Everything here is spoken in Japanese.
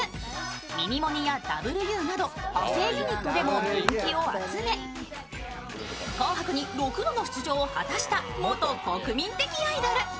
ミニモニやＷなど派生ユニットでも人気を集め「紅白」に６度の出場を果たした元国民的アイドル。